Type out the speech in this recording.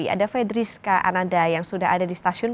ada fedriska ananda yang sudah ada di stasiun